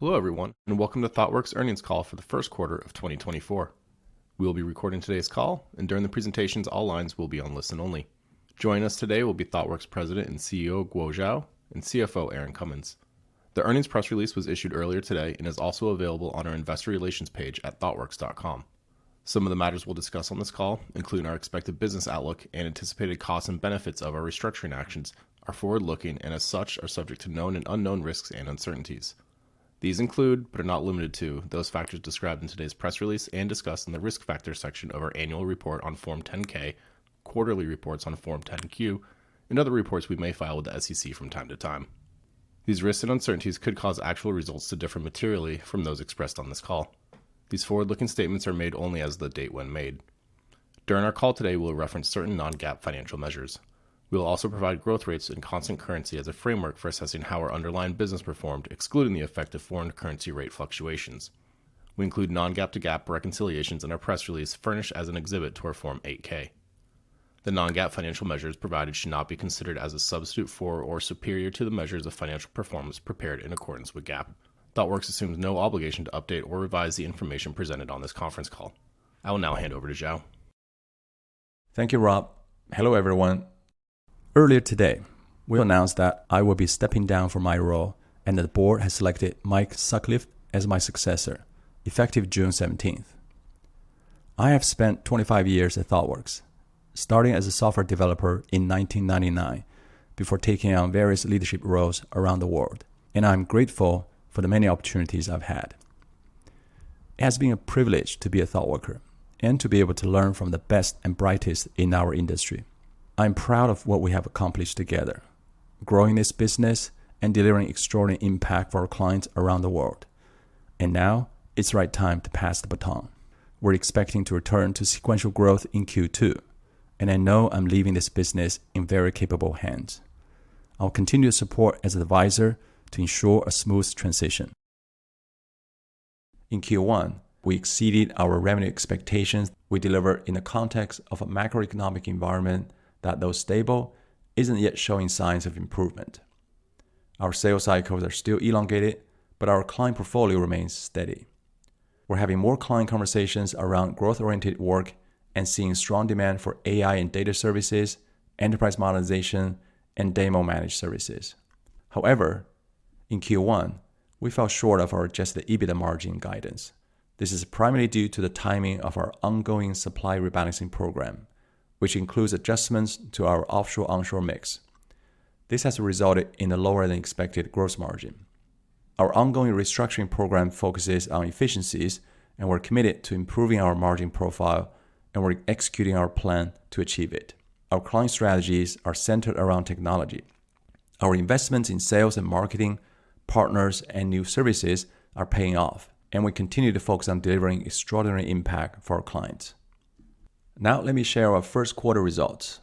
Hello everyone, and welcome to Thoughtworks Earnings Call for the First Quarter of 2024. We will be recording today's call, and during the presentations all lines will be on listen only. Joining us today will be Thoughtworks President and CEO Guo Xiao and CFO Erin Cummins. The earnings press release was issued earlier today and is also available on our investor relations page at thoughtworks.com. Some of the matters we'll discuss on this call include our expected business outlook and anticipated costs and benefits of our restructuring actions, our forward-looking, and as such are subject to known and unknown risks and uncertainties. These include, but are not limited to, those factors described in today's press release and discussed in the risk factors section of our annual report on Form 10-K, quarterly reports on Form 10-Q, and other reports we may file with the SEC from time to time. These risks and uncertainties could cause actual results to differ materially from those expressed on this call. These forward-looking statements are made only as of the date when made. During our call today we'll reference certain non-GAAP financial measures. We'll also provide growth rates and constant currency as a framework for assessing how our underlying business performed, excluding the effect of foreign currency rate fluctuations. We include non-GAAP to GAAP reconciliations in our press release furnished as an exhibit to our Form 8-K. The non-GAAP financial measures provided should not be considered as a substitute for or superior to the measures of financial performance prepared in accordance with GAAP. Thoughtworks assumes no obligation to update or revise the information presented on this conference call. I will now hand over to Xiao. Thank you, Rob. Hello everyone. Earlier today we announced that I will be stepping down from my role and that the board has selected Mike Sutcliff as my successor, effective June 17th. I have spent 25 years at Thoughtworks, starting as a software developer in 1999 before taking on various leadership roles around the world, and I'm grateful for the many opportunities I've had. It has been a privilege to be a Thoughtworker and to be able to learn from the best and brightest in our industry. I'm proud of what we have accomplished together, growing this business and delivering extraordinary impact for our clients around the world, and now it's the right time to pass the baton. We're expecting to return to sequential growth in Q2, and I know I'm leaving this business in very capable hands. I'll continue to support as an advisor to ensure a smooth transition. In Q1 we exceeded our revenue expectations. We delivered in the context of a macroeconomic environment that though stable, isn't yet showing signs of improvement. Our sales cycles are still elongated, but our client portfolio remains steady. We're having more client conversations around growth-oriented work and seeing strong demand for AI and data services, enterprise modernization, and DAMO Managed Services. However, in Q1 we fell short of our Adjusted EBITDA margin guidance. This is primarily due to the timing of our ongoing supply rebalancing program, which includes adjustments to our offshore-onshore mix. This has resulted in a lower-than-expected gross margin. Our ongoing restructuring program focuses on efficiencies, and we're committed to improving our margin profile, and we're executing our plan to achieve it. Our client strategies are centered around technology. Our investments in sales and marketing, partners, and new services are paying off, and we continue to focus on delivering extraordinary impact for our clients. Now let me share our first quarter results.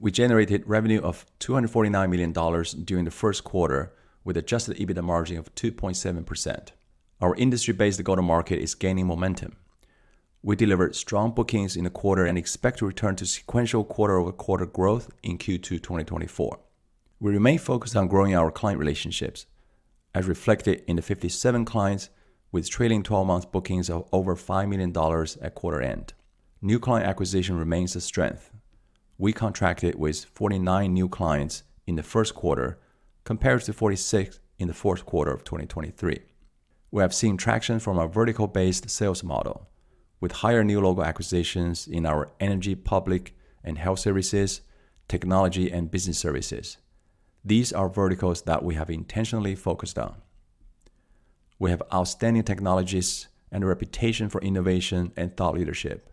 We generated revenue of $249 million during the first quarter with Adjusted EBITDA margin of 2.7%. Our industry-based go-to-market is gaining momentum. We delivered strong bookings in the quarter and expect to return to sequential quarter-over-quarter growth in Q2 2024. We remain focused on growing our client relationships, as reflected in the 57 clients with trailing 12-month bookings of over $5 million at quarter-end. New client acquisition remains a strength. We contracted with 49 new clients in the first quarter, compared to 46 in the fourth quarter of 2023. We have seen traction from our vertical-based sales model, with higher new logo acquisitions in our energy, public, and health services, technology, and business services. These are verticals that we have intentionally focused on. We have outstanding technologies and a reputation for innovation and thought leadership.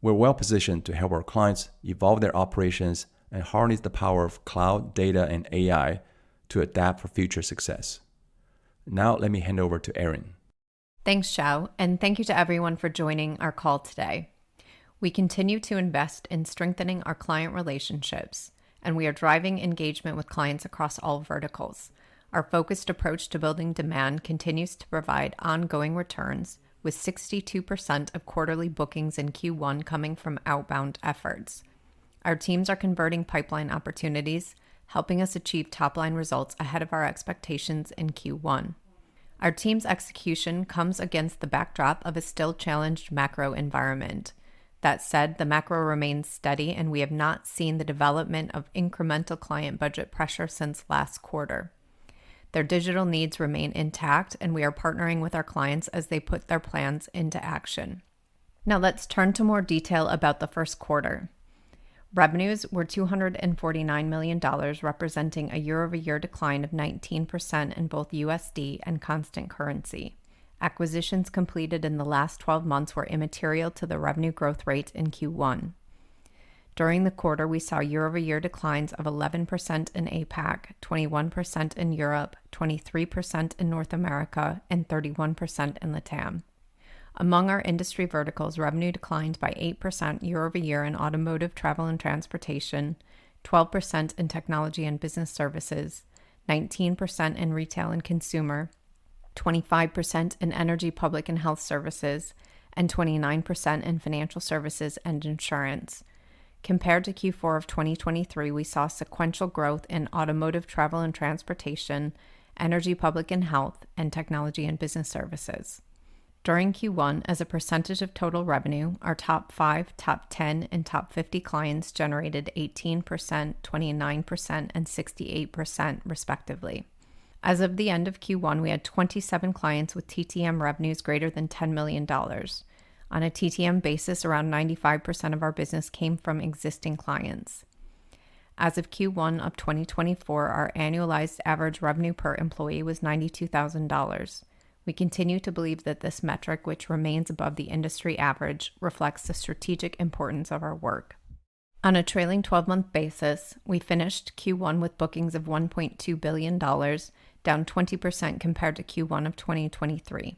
We're well positioned to help our clients evolve their operations and harness the power of cloud, data, and AI to adapt for future success. Now let me hand over to Erin. Thanks, Xiao, and thank you to everyone for joining our call today. We continue to invest in strengthening our client relationships, and we are driving engagement with clients across all verticals. Our focused approach to building demand continues to provide ongoing returns, with 62% of quarterly bookings in Q1 coming from outbound efforts. Our teams are converting pipeline opportunities, helping us achieve top-line results ahead of our expectations in Q1. Our team's execution comes against the backdrop of a still-challenged macro environment. That said, the macro remains steady, and we have not seen the development of incremental client budget pressure since last quarter. Their digital needs remain intact, and we are partnering with our clients as they put their plans into action. Now let's turn to more detail about the first quarter. Revenues were $249 million, representing a year-over-year decline of 19% in both USD and constant currency. Acquisitions completed in the last 12 months were immaterial to the revenue growth rate in Q1. During the quarter, we saw year-over-year declines of 11% in APAC, 21% in Europe, 23% in North America, and 31% in LATAM. Among our industry verticals, revenue declined by 8% year-over-year in automotive, travel, and transportation, 12% in technology and business services, 19% in retail and consumer, 25% in energy, public, and health services, and 29% in financial services and insurance. Compared to Q4 of 2023, we saw sequential growth in automotive, travel, and transportation, energy, public, and health, and technology and business services. During Q1, as a percentage of total revenue, our top five, top 10, and top 50 clients generated 18%, 29%, and 68%, respectively. As of the end of Q1, we had 27 clients with TTM revenues greater than $10 million. On a TTM basis, around 95% of our business came from existing clients. As of Q1 of 2024, our annualized average revenue per employee was $92,000. We continue to believe that this metric, which remains above the industry average, reflects the strategic importance of our work. On a trailing 12-month basis, we finished Q1 with bookings of $1.2 billion, down 20% compared to Q1 of 2023.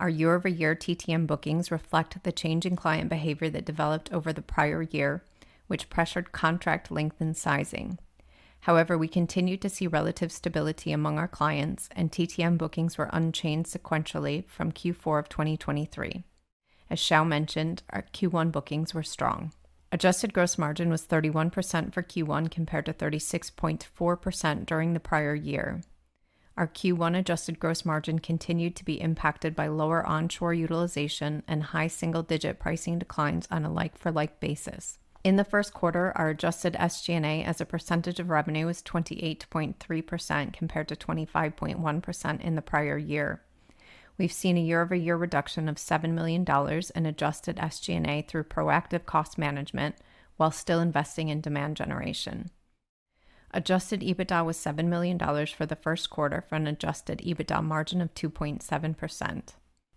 Our year-over-year TTM bookings reflect the change in client behavior that developed over the prior year, which pressured contract length and sizing. However, we continue to see relative stability among our clients, and TTM bookings were unchanged sequentially from Q4 of 2023. As Xiao mentioned, our Q1 bookings were strong. Adjusted gross margin was 31% for Q1 compared to 36.4% during the prior year. Our Q1 adjusted gross margin continued to be impacted by lower onshore utilization and high single-digit pricing declines on a like-for-like basis. In the first quarter, our adjusted SG&A as a percentage of revenue was 28.3% compared to 25.1% in the prior year. We've seen a year-over-year reduction of $7 million in adjusted SG&A through proactive cost management while still investing in demand generation. Adjusted EBITDA was $7 million for the first quarter for an Adjusted EBITDA margin of 2.7%.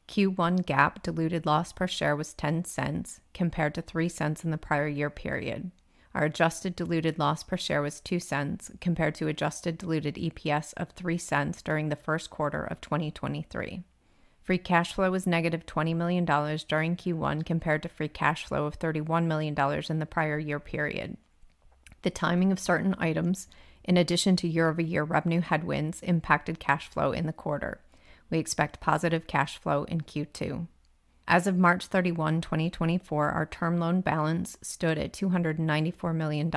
Q1 GAAP diluted loss per share was $0.10 compared to $0.03 in the prior year period. Our adjusted diluted loss per share was $0.02 compared to adjusted diluted EPS of $0.03 during the first quarter of 2023. Free cash flow was negative $20 million during Q1 compared to free cash flow of $31 million in the prior year period. The timing of certain items, in addition to year-over-year revenue headwinds, impacted cash flow in the quarter. We expect positive cash flow in Q2. As of March 31, 2024, our term loan balance stood at $294 million.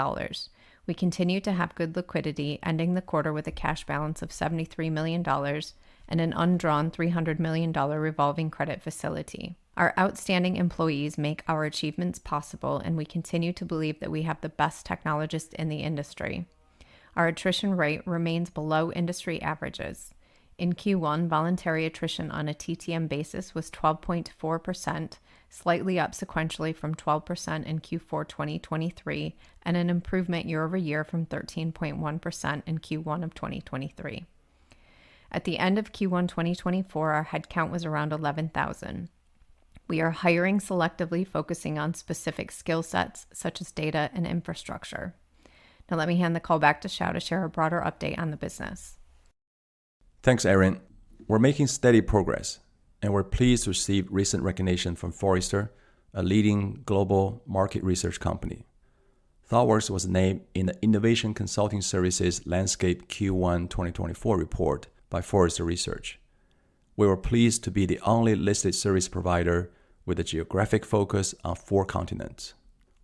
We continue to have good liquidity, ending the quarter with a cash balance of $73 million and an undrawn $300 million revolving credit facility. Our outstanding employees make our achievements possible, and we continue to believe that we have the best technologists in the industry. Our attrition rate remains below industry averages. In Q1, voluntary attrition on a TTM basis was 12.4%, slightly up sequentially from 12% in Q4 2023 and an improvement year-over-year from 13.1% in Q1 of 2023. At the end of Q1 2024, our headcount was around 11,000. We are hiring selectively, focusing on specific skill sets such as data and infrastructure. Now let me hand the call back to Xiao to share a broader update on the business. Thanks, Erin. We're making steady progress, and we're pleased to receive recent recognition from Forrester, a leading global market research company. Thoughtworks was named in the Innovation Consulting Services Landscape Q1 2024 report by Forrester Research. We were pleased to be the only listed service provider with a geographic focus on four continents.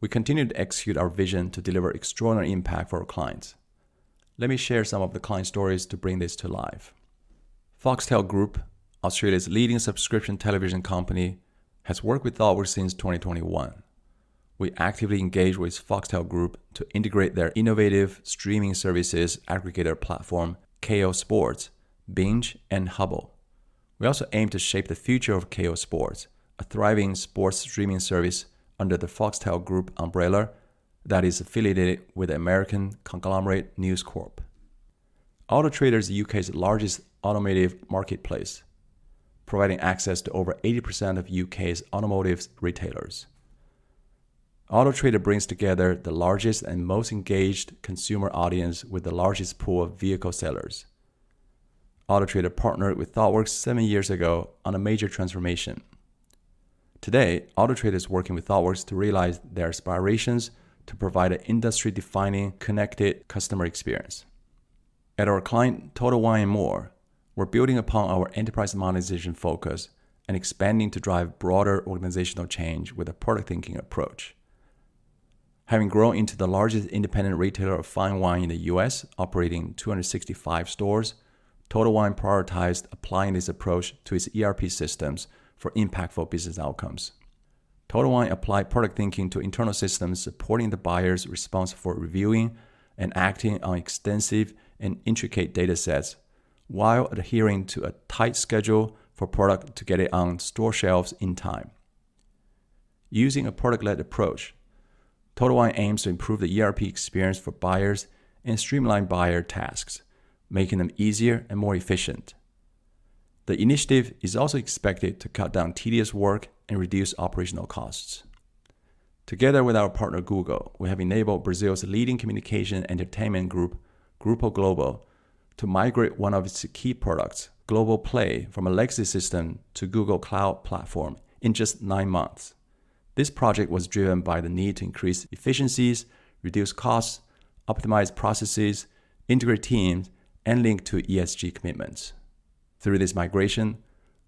We continue to execute our vision to deliver extraordinary impact for our clients. Let me share some of the client stories to bring this to life. Foxtel Group, Australia's leading subscription television company, has worked with Thoughtworks since 2021. We actively engage with Foxtel Group to integrate their innovative streaming services aggregator platform Kayo Sports, Binge, and Hubbl. We also aim to shape the future of Kayo Sports, a thriving sports streaming service under the Foxtel Group umbrella that is affiliated with American conglomerate News Corp. Auto Trader is the U.K.'s largest automotive marketplace, providing access to over 80% of U.K.'s automotive retailers. Auto Trader brings together the largest and most engaged consumer audience with the largest pool of vehicle sellers. Auto Trader partnered with Thoughtworks seven years ago on a major transformation. Today, Auto Trader is working with Thoughtworks to realize their aspirations to provide an industry-defining, connected customer experience. At our client, Total Wine & More, we're building upon our enterprise modernization focus and expanding to drive broader organizational change with a product-thinking approach. Having grown into the largest independent retailer of fine wine in the U.S., operating 265 stores, Total Wine prioritized applying this approach to its ERP systems for impactful business outcomes. Total Wine applied product thinking to internal systems supporting the buyer's response for reviewing and acting on extensive and intricate data sets while adhering to a tight schedule for product to get it on store shelves in time. Using a product-led approach, Total Wine aims to improve the ERP experience for buyers and streamline buyer tasks, making them easier and more efficient. The initiative is also expected to cut down tedious work and reduce operational costs. Together with our partner, Google, we have enabled Brazil's leading communication entertainment group, Grupo Globo, to migrate one of its key products, Globoplay, from a legacy system to Google Cloud Platform in just nine months. This project was driven by the need to increase efficiencies, reduce costs, optimize processes, integrate teams, and link to ESG commitments. Through this migration,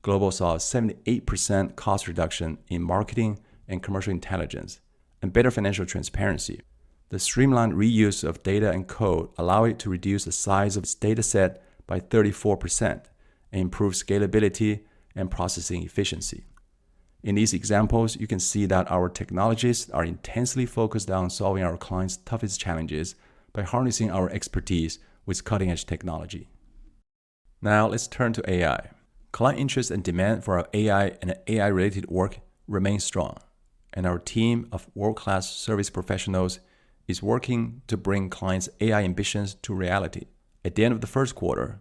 Grupo Globo saw a 78% cost reduction in marketing and commercial intelligence and better financial transparency. The streamlined reuse of data and code allowed it to reduce the size of its data set by 34% and improve scalability and processing efficiency. In these examples, you can see that our technologists are intensely focused on solving our clients' toughest challenges by harnessing our expertise with cutting-edge technology. Now let's turn to AI. Client interest and demand for AI and AI-related work remain strong, and our team of world-class service professionals is working to bring clients' AI ambitions to reality. At the end of the first quarter,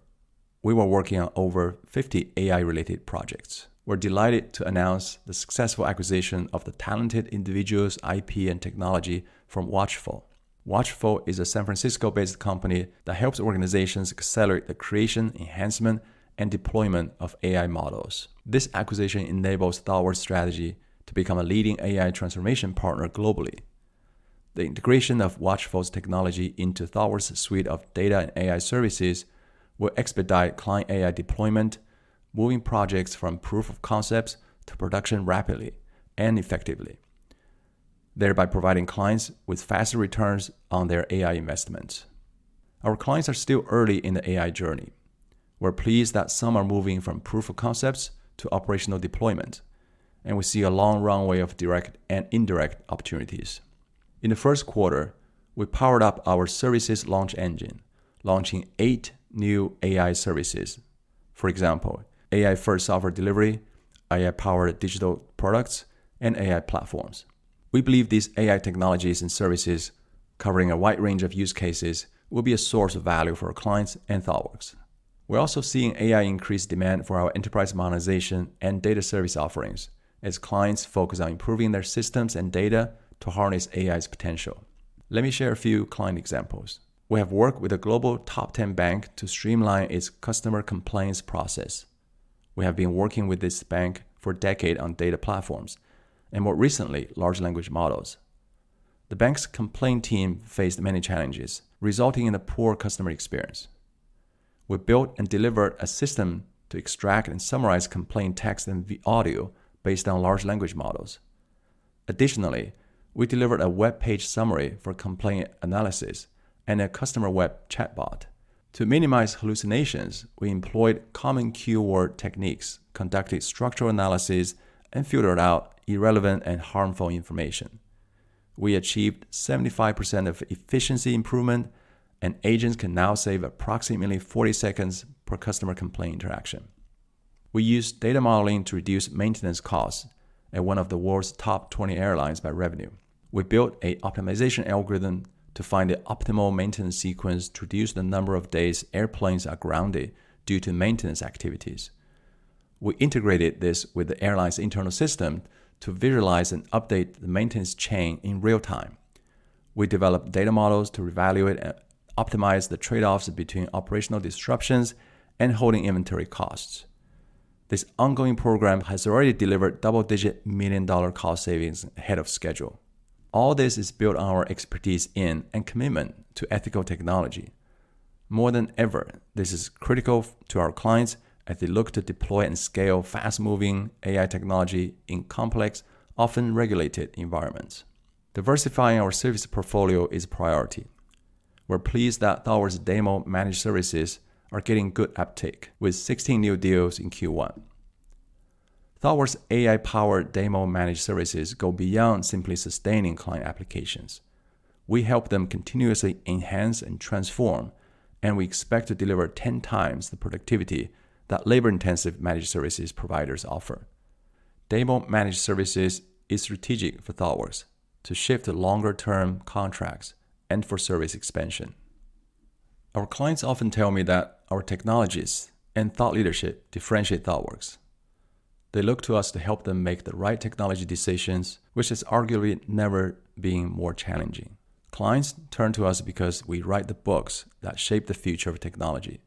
we were working on over 50 AI-related projects. We're delighted to announce the successful acquisition of the talented individual's IP and technology from Watchful. Watchful is a San Francisco-based company that helps organizations accelerate the creation, enhancement, and deployment of AI models. This acquisition enables Thoughtworks' strategy to become a leading AI transformation partner globally. The integration of Watchful's technology into Thoughtworks' suite of data and AI services will expedite client AI deployment, moving projects from proof of concepts to production rapidly and effectively, thereby providing clients with faster returns on their AI investments. Our clients are still early in the AI journey. We're pleased that some are moving from proof of concepts to operational deployment, and we see a long runway of direct and indirect opportunities. In the first quarter, we powered up our services launch engine, launching eight new AI services. For example, AI-first software delivery, AI-powered digital products, and AI platforms. We believe these AI technologies and services, covering a wide range of use cases, will be a source of value for our clients and Thoughtworks. We're also seeing AI increase demand for our enterprise modernization and data service offerings as clients focus on improving their systems and data to harness AI's potential. Let me share a few client examples. We have worked with a global top 10 bank to streamline its customer complaints process. We have been working with this bank for a decade on data platforms and, more recently, large language models. The bank's complaint team faced many challenges, resulting in a poor customer experience. We built and delivered a system to extract and summarize complaint texts and audio based on large language models. Additionally, we delivered a webpage summary for complaint analysis and a customer web chatbot. To minimize hallucinations, we employed common keyword techniques, conducted structural analysis, and filtered out irrelevant and harmful information. We achieved 75% of efficiency improvement, and agents can now save approximately 40 seconds per customer complaint interaction. We used data modeling to reduce maintenance costs at one of the world's top 20 airlines by revenue. We built an optimization algorithm to find the optimal maintenance sequence to reduce the number of days airplanes are grounded due to maintenance activities. We integrated this with the airline's internal system to visualize and update the maintenance chain in real time. We developed data models to evaluate and optimize the trade-offs between operational disruptions and holding inventory costs. This ongoing program has already delivered double-digit million dollar cost savings ahead of schedule. All this is built on our expertise and commitment to ethical technology. More than ever, this is critical to our clients as they look to deploy and scale fast-moving AI technology in complex, often regulated environments. Diversifying our service portfolio is a priority. We're pleased that Thoughtworks' DAMO Managed Services are getting good uptake with 16 new deals in Q1. Thoughtworks' AI-powered DAMO Managed Services go beyond simply sustaining client applications. We help them continuously enhance and transform, and we expect to deliver 10 times the productivity that labor-intensive managed services providers offer. DAMO Managed Services is strategic for Thoughtworks to shift longer-term contracts and for service expansion. Our clients often tell me that our technologists and thought leadership differentiate Thoughtworks. They look to us to help them make the right technology decisions, which is arguably never being more challenging. Clients turn to us because we write the books that shape the future of technology.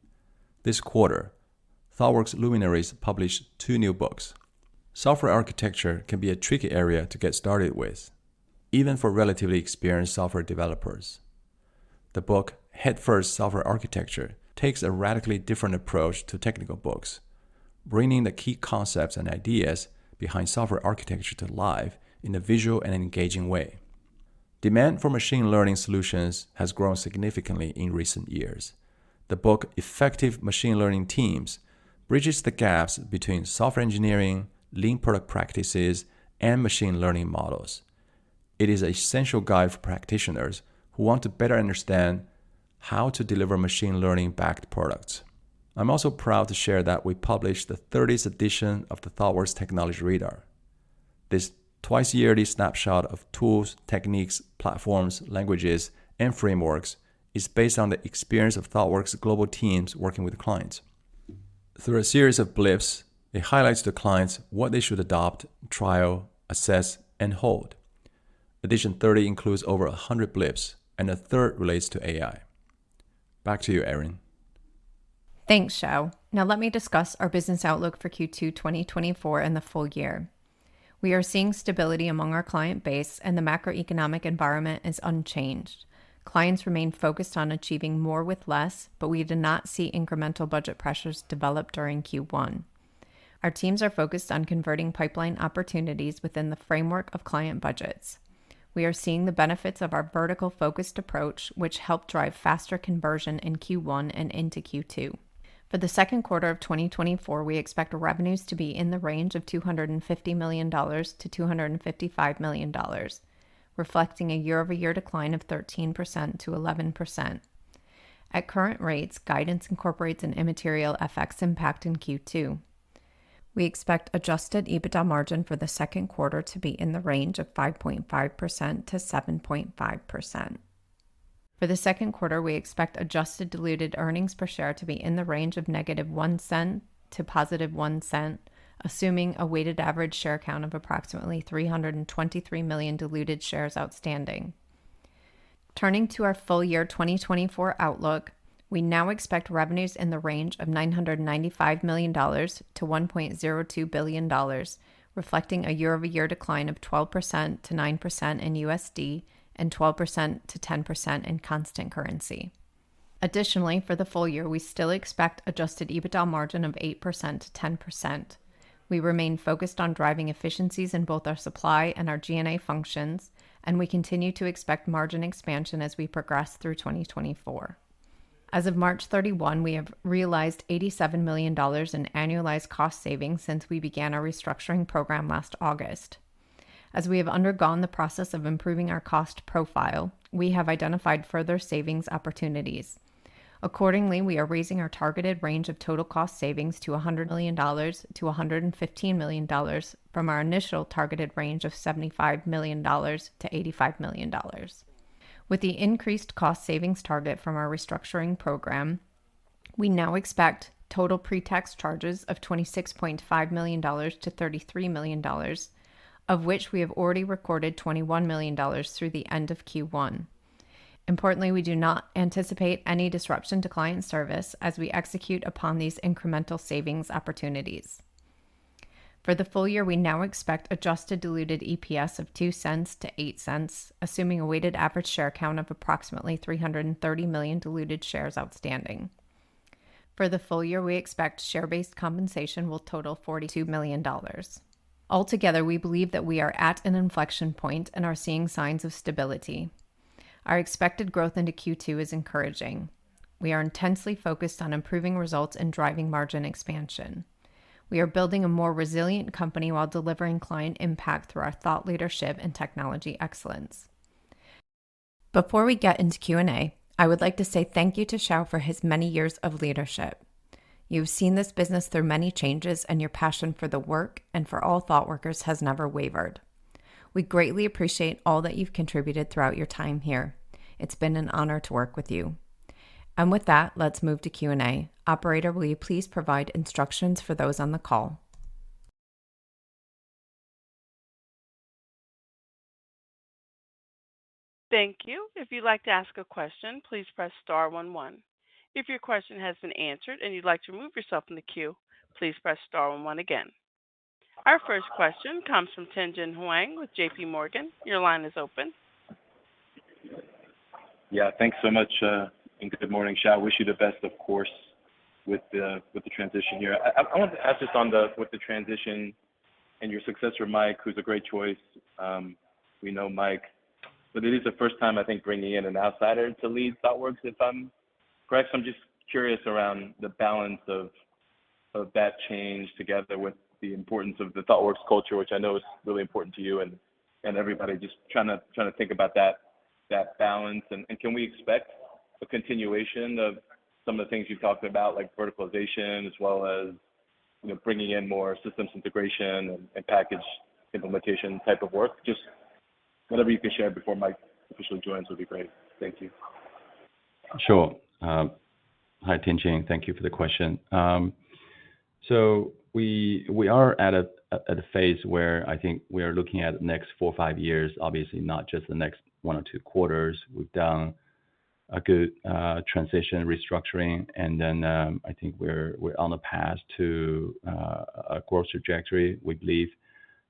This quarter, Thoughtworks Luminaries published two new books. Software architecture can be a tricky area to get started with, even for relatively experienced software developers. The book "Head First: Software Architecture" takes a radically different approach to technical books, bringing the key concepts and ideas behind software architecture to life in a visual and engaging way. Demand for machine learning solutions has grown significantly in recent years. The book "Effective Machine Learning Teams" bridges the gaps between software engineering, lean product practices, and machine learning models. It is an essential guide for practitioners who want to better understand how to deliver machine learning-backed products. I'm also proud to share that we published the 30th edition of the Thoughtworks Technology Radar. This twice-yearly snapshot of tools, techniques, platforms, languages, and frameworks is based on the experience of Thoughtworks' global teams working with clients. Through a series of blips, it highlights to clients what they should adopt, trial, assess, and hold. Edition 30 includes over 100 blips, and the third relates to AI. Back to you, Erin. Thanks, Xiao. Now let me discuss our business outlook for Q2 2024 and the full year. We are seeing stability among our client base, and the macroeconomic environment is unchanged. Clients remain focused on achieving more with less, but we did not see incremental budget pressures develop during Q1. Our teams are focused on converting pipeline opportunities within the framework of client budgets. We are seeing the benefits of our vertical-focused approach, which helped drive faster conversion in Q1 and into Q2. For the second quarter of 2024, we expect revenues to be in the range of $250 million-$255 million, reflecting a year-over-year decline of 13%-11%. At current rates, guidance incorporates an immaterial FX impact in Q2. We expect Adjusted EBITDA margin for the second quarter to be in the range of 5.5%-7.5%. For the second quarter, we expect adjusted diluted earnings per share to be in the range of -0.01 to +0.01, assuming a weighted average share count of approximately 323 million diluted shares outstanding. Turning to our full-year 2024 outlook, we now expect revenues in the range of $995 million-$1.02 billion, reflecting a year-over-year decline of 12%-9% in USD and 12%-10% in constant currency. Additionally, for the full year, we still expect Adjusted EBITDA margin of 8%-10%. We remain focused on driving efficiencies in both our supply and our G&A functions, and we continue to expect margin expansion as we progress through 2024. As of March 31, we have realized $87 million in annualized cost savings since we began our restructuring program last August. As we have undergone the process of improving our cost profile, we have identified further savings opportunities. Accordingly, we are raising our targeted range of total cost savings to $100 million-$115 million from our initial targeted range of $75 million-$85 million. With the increased cost savings target from our restructuring program, we now expect total pretax charges of $26.5 million-$33 million, of which we have already recorded $21 million through the end of Q1. Importantly, we do not anticipate any disruption to client service as we execute upon these incremental savings opportunities. For the full year, we now expect Adjusted Diluted EPS of $0.02-$0.08, assuming a weighted average share count of approximately 330 million diluted shares outstanding. For the full year, we expect share-based compensation will total $42 million. Altogether, we believe that we are at an inflection point and are seeing signs of stability. Our expected growth into Q2 is encouraging. We are intensely focused on improving results and driving margin expansion. We are building a more resilient company while delivering client impact through our thought leadership and technology excellence. Before we get into Q&A, I would like to say thank you to Xiao for his many years of leadership. You've seen this business through many changes, and your passion for the work and for all thoughtworkers has never wavered. We greatly appreciate all that you've contributed throughout your time here. It's been an honor to work with you. And with that, let's move to Q&A. Operator, will you please provide instructions for those on the call? Thank you. If you'd like to ask a question, please press star one one. If your question has been answered and you'd like to remove yourself from the queue, please press star one-one again. Our first question comes from Tien-Tsin Huang with JPMorgan. Your line is open. Yeah, thanks so much. Good morning, Xiao. Wish you the best, of course, with the transition here. I wanted to ask just on the transition and your successor, Mike, who's a great choice. We know Mike. But it is the first time, I think, bringing in an outsider to lead Thoughtworks, if I'm correct. So I'm just curious around the balance of that change together with the importance of the Thoughtworks culture, which I know is really important to you and everybody, just trying to think about that balance. And can we expect a continuation of some of the things you've talked about, like verticalization as well as bringing in more systems integration and package implementation type of work? Just whatever you can share before Mike officially joins would be great. Thank you. Sure. Hi, Tien-Tsin. Thank you for the question. So we are at a phase where I think we are looking at the next four- to five-years, obviously not just the next one or two quarters. We've done a good transition, restructuring, and then I think we're on the path to a growth trajectory, we believe.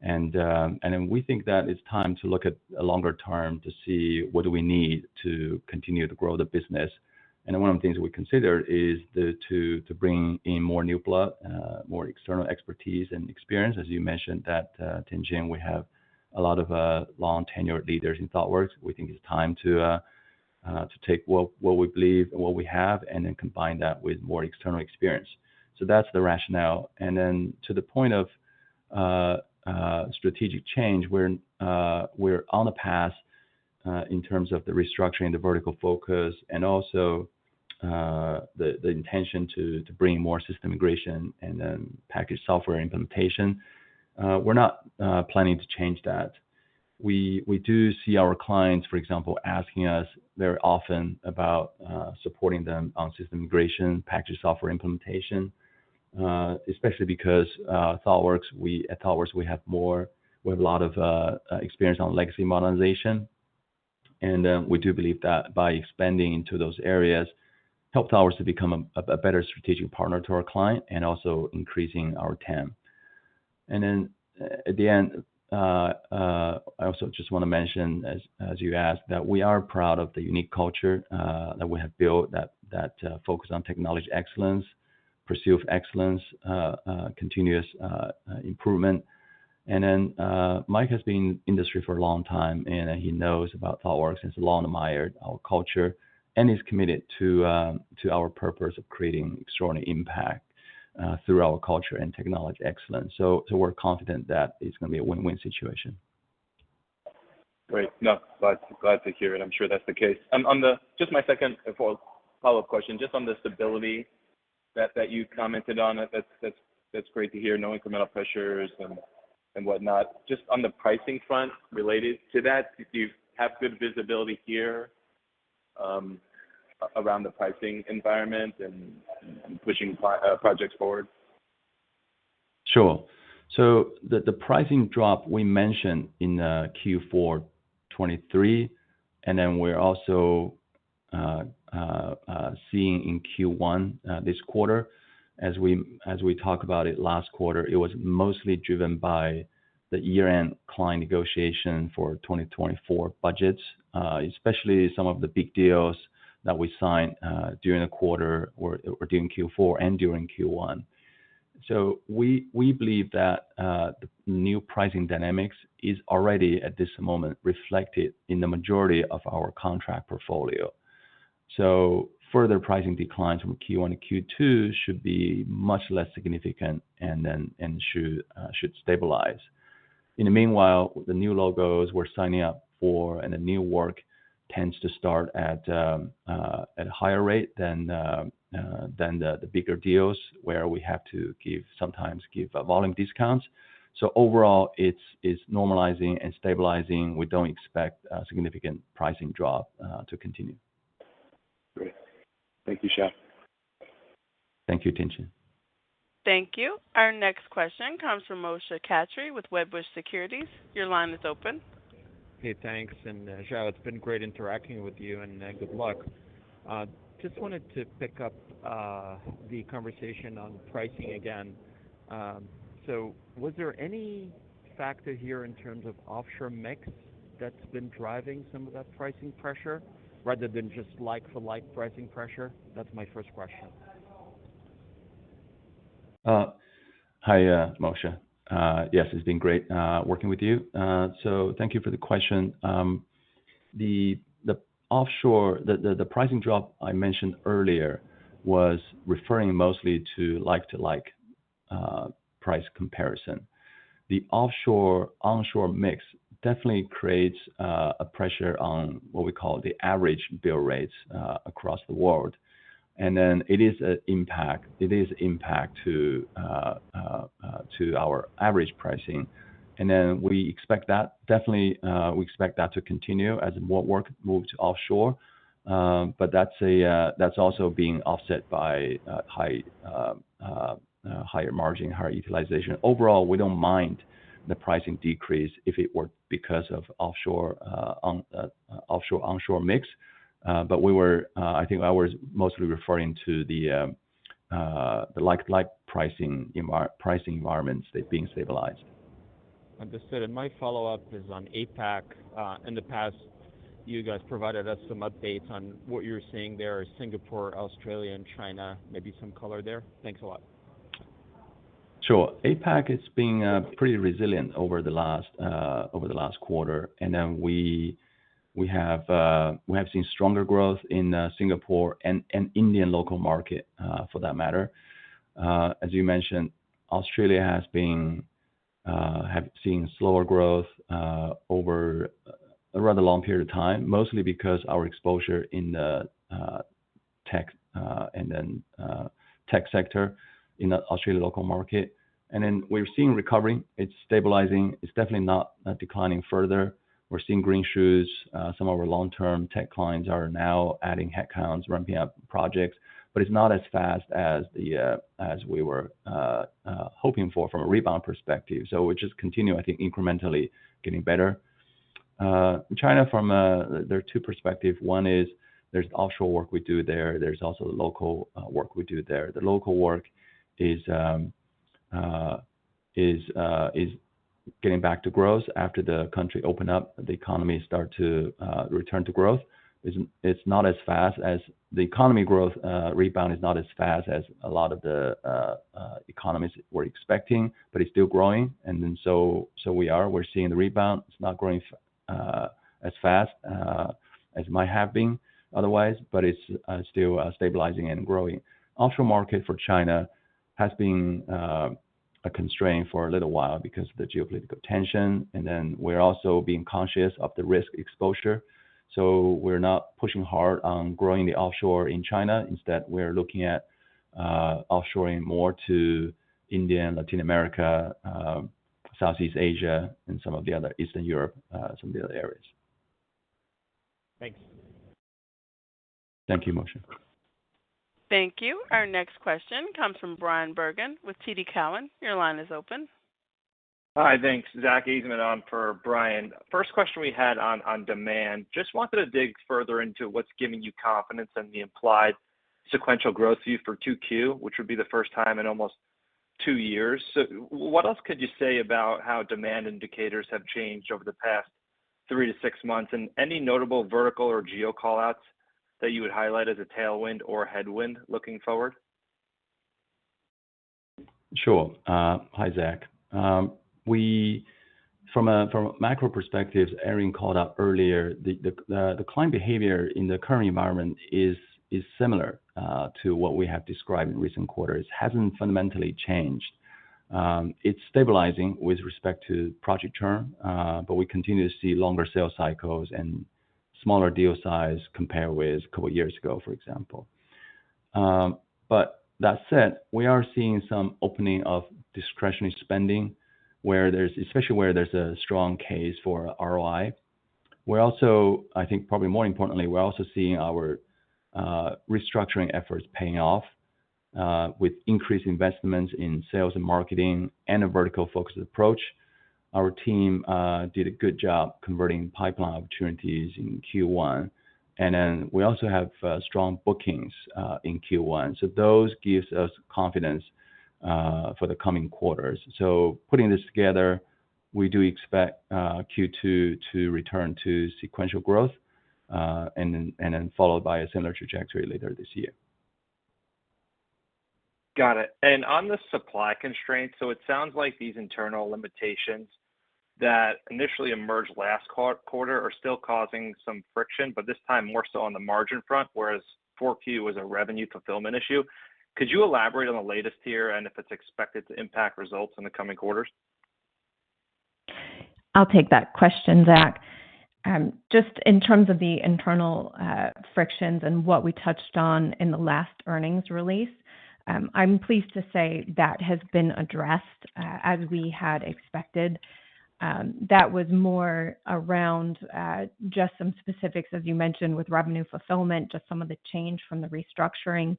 And then we think that it's time to look at a longer term to see what do we need to continue to grow the business. And one of the things we consider is to bring in more new blood, more external expertise and experience. As you mentioned, Tien-Tsin, we have a lot of long-tenured leaders in Thoughtworks. We think it's time to take what we believe and what we have and then combine that with more external experience. So that's the rationale. To the point of strategic change, we're on the path in terms of the restructuring, the vertical focus, and also the intention to bring more system integration and then package software implementation. We're not planning to change that. We do see our clients, for example, asking us very often about supporting them on system integration, package software implementation, especially because at Thoughtworks, we have a lot of experience on legacy modernization. We do believe that by expanding into those areas, help Thoughtworks to become a better strategic partner to our client and also increasing our team. At the end, I also just want to mention, as you asked, that we are proud of the unique culture that we have built that focuses on technology excellence, pursue excellence, continuous improvement. Then Mike has been in the industry for a long time, and he knows about Thoughtworks and has long admired our culture and is committed to our purpose of creating extraordinary impact through our culture and technology excellence. We're confident that it's going to be a win-win situation. Great. No, glad to hear it. I'm sure that's the case. Just my second follow-up question, just on the stability that you commented on, that's great to hear, no incremental pressures and whatnot. Just on the pricing front related to that, do you have good visibility here around the pricing environment and pushing projects forward? Sure. So the pricing drop we mentioned in Q4 2023, and then we're also seeing in Q1 this quarter, as we talked about it last quarter, it was mostly driven by the year-end client negotiation for 2024 budgets, especially some of the big deals that we signed during the quarter or during Q4 and during Q1. So we believe that the new pricing dynamics is already, at this moment, reflected in the majority of our contract portfolio. So further pricing declines from Q1-Q2 should be much less significant and should stabilize. In the meanwhile, the new logos we're signing up for and the new work tends to start at a higher rate than the bigger deals where we have to sometimes give volume discounts. So overall, it's normalizing and stabilizing. We don't expect a significant pricing drop to continue. Great. Thank you, Xiao. Thank you, Tien-Tsin. Thank you. Our next question comes from Moshe Katri with Wedbush Securities. Your line is open. Hey, thanks. And Xiao, it's been great interacting with you, and good luck. Just wanted to pick up the conversation on pricing again. So was there any factor here in terms of offshore mix that's been driving some of that pricing pressure rather than just like-for-like pricing pressure? That's my first question. Hi, Moshe. Yes, it's been great working with you. So thank you for the question. The pricing drop I mentioned earlier was referring mostly to like-to-like price comparison. The offshore/onshore mix definitely creates a pressure on what we call the average bill rates across the world. Then it is an impact to our average pricing. Then we expect that definitely; we expect that to continue as more work moves offshore. But that's also being offset by higher margin, higher utilization. Overall, we don't mind the pricing decrease if it were because of offshore/onshore mix. But I think I was mostly referring to the like-to-like pricing environments being stabilized. Understood. And my follow-up is on APAC. In the past, you guys provided us some updates on what you're seeing there: Singapore, Australia, and China, maybe some color there. Thanks a lot. Sure. APAC has been pretty resilient over the last quarter. And then we have seen stronger growth in Singapore and Indian local market, for that matter. As you mentioned, Australia has seen slower growth over a rather long period of time, mostly because of our exposure in the tech sector in the Australian local market. And then we're seeing recovery. It's stabilizing. It's definitely not declining further. We're seeing green shoots. Some of our long-term tech clients are now adding headcounts, ramping up projects. But it's not as fast as we were hoping for from a rebound perspective. So we're just continuing, I think, incrementally getting better. China, there are two perspectives. One is there's offshore work we do there. There's also local work we do there. The local work is getting back to growth. After the country opened up, the economy started to return to growth. It's not as fast as the economy growth rebound is not as fast as a lot of the economies were expecting, but it's still growing. And then so we are. We're seeing the rebound. It's not growing as fast as it might have been otherwise, but it's still stabilizing and growing. Offshore market for China has been a constraint for a little while because of the geopolitical tension. And then we're also being conscious of the risk exposure. So we're not pushing hard on growing the offshore in China. Instead, we're looking at offshoring more to India, Latin America, Southeast Asia, and some of the other Eastern Europe, some of the other areas. Thanks. Thank you, Moshe. Thank you. Our next question comes from Bryan Bergin with TD Cowen. Your line is open. Hi, thanks. Zack Ajzenman on for Bryan Bergin. First question we had on demand. Just wanted to dig further into what's giving you confidence in the implied sequential growth view for 2Q, which would be the first time in almost two years. So what else could you say about how demand indicators have changed over the past three to six months and any notable vertical or geo callouts that you would highlight as a tailwind or headwind looking forward? Sure. Hi, Zack. From a macro perspective, as Erin called out earlier, the client behavior in the current environment is similar to what we have described in recent quarters. It hasn't fundamentally changed. It's stabilizing with respect to project term, but we continue to see longer sales cycles and smaller deal size compared with a couple of years ago, for example. But that said, we are seeing some opening of discretionary spending, especially where there's a strong case for ROI. I think probably more importantly, we're also seeing our restructuring efforts paying off with increased investments in sales and marketing and a vertical-focused approach. Our team did a good job converting pipeline opportunities in Q1. And then we also have strong bookings in Q1. So those give us confidence for the coming quarters. Putting this together, we do expect Q2 to return to sequential growth and then followed by a similar trajectory later this year. Got it. On the supply constraints, so it sounds like these internal limitations that initially emerged last quarter are still causing some friction, but this time more so on the margin front, whereas 4Q was a revenue fulfillment issue. Could you elaborate on the latest here and if it's expected to impact results in the coming quarters? I'll take that question, Zack. Just in terms of the internal frictions and what we touched on in the last earnings release, I'm pleased to say that has been addressed as we had expected. That was more around just some specifics, as you mentioned, with revenue fulfillment, just some of the change from the restructuring.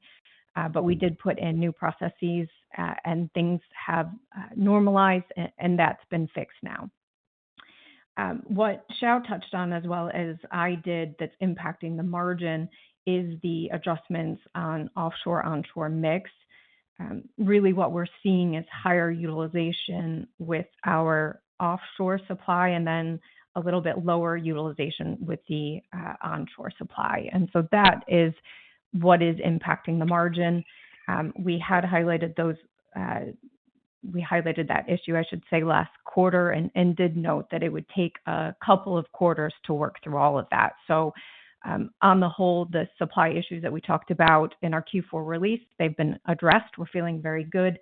But we did put in new processes, and things have normalized, and that's been fixed now. What Xiao touched on, as well as I did, that's impacting the margin is the adjustments on offshore/onshore mix. Really, what we're seeing is higher utilization with our offshore supply and then a little bit lower utilization with the onshore supply. And so that is what is impacting the margin. We had highlighted that issue, I should say, last quarter and did note that it would take a couple of quarters to work through all of that. So on the whole, the supply issues that we talked about in our Q4 release, they've been addressed. We're feeling very good,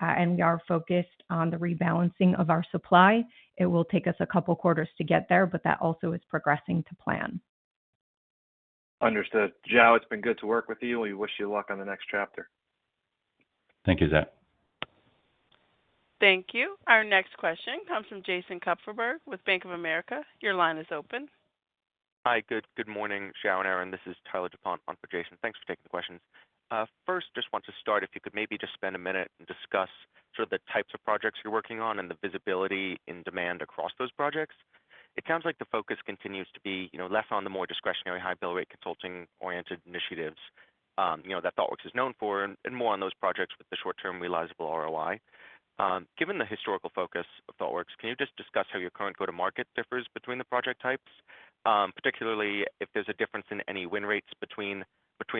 and we are focused on the rebalancing of our supply. It will take us a couple of quarters to get there, but that also is progressing to plan. Understood. Xiao, it's been good to work with you. We wish you luck on the next chapter. Thank you, Zack. Thank you. Our next question comes from Jason Kupferberg with Bank of America. Your line is open. Hi. Good morning, Xiao and Erin. This is Tyler DuPont on for Jason. Thanks for taking the questions. First, just want to start, if you could maybe just spend a minute and discuss sort of the types of projects you're working on and the visibility in demand across those projects. It sounds like the focus continues to be less on the more discretionary, high-bill rate consulting-oriented initiatives that Thoughtworks is known for and more on those projects with the short-term, realizable ROI. Given the historical focus of Thoughtworks, can you just discuss how your current go-to-market differs between the project types, particularly if there's a difference in any win rates between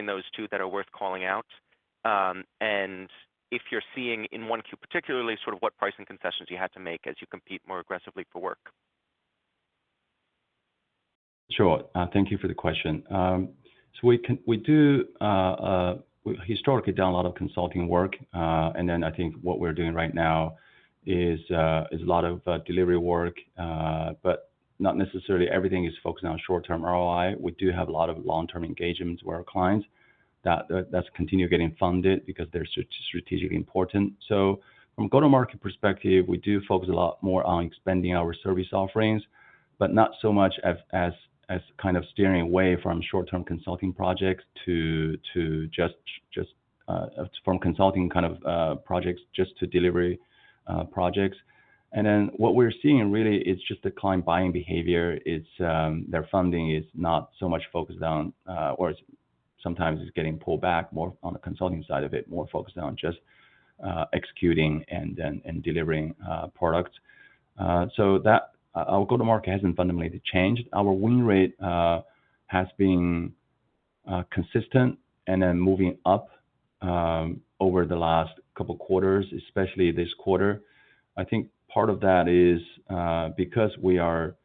those two that are worth calling out, and if you're seeing in 1Q particularly sort of what pricing concessions you had to make as you compete more aggressively for work? Sure. Thank you for the question. So we do historically do a lot of consulting work. And then I think what we're doing right now is a lot of delivery work, but not necessarily everything is focused on short-term ROI. We do have a lot of long-term engagements with our clients that continue getting funded because they're strategically important. So from a go-to-market perspective, we do focus a lot more on expanding our service offerings, but not so much as kind of steering away from short-term consulting projects to just from consulting kind of projects just to delivery projects. And then what we're seeing, really, is just the client buying behavior. Their funding is not so much focused on or sometimes it's getting pulled back more on the consulting side of it, more focused on just executing and delivering products. So our go-to-market hasn't fundamentally changed. Our win rate has been consistent and then moving up over the last couple of quarters, especially this quarter. I think part of that is because we are